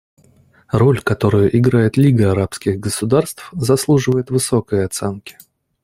Роль, которую играет Лига арабских государств, заслуживает высокой оценки.